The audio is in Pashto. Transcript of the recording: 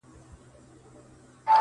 هغه ها ربابي هغه شاعر شرابي~